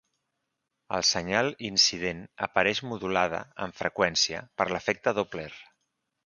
El senyal incident apareix modulada en freqüència per l'efecte Doppler.